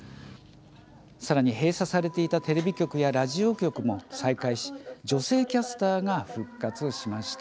閉鎖されていたテレビ局やラジオ局も活動を再開し女性キャスターが復活しました。